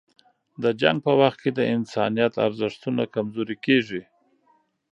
د جنګ په وخت کې د انسانیت ارزښتونه کمزوري کېږي.